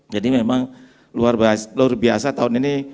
jadi memang luar biasa tahun ini